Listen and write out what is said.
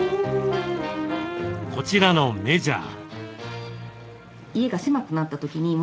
こちらのメジャー。